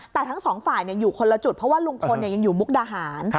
แต่ทั้งสองฝ่ายอยู่คนละจุดเพราะว่าลุงพลยังอยู่มุกดาหาร